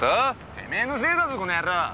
⁉テメェのせいだぞこの野郎！